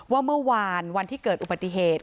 ว่าเมื่อวานวันที่เกิดอุบัติเหตุ